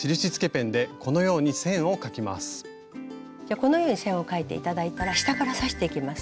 このように線を描いて頂いたら下から刺していきます。